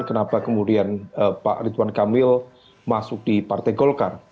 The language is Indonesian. kenapa kemudian pak ridwan kamil masuk di partai golkar